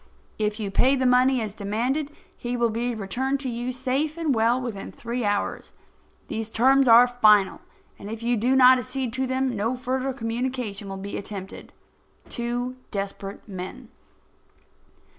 If you pay the money as demanded, he will be returned to you safe and well within three hours. These terms are final, and if you do not accede to them no further communication will be attempted. TWO DESPERATE MEN.